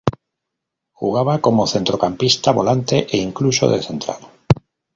Jugaba como centrocampista, volante e incluso de central.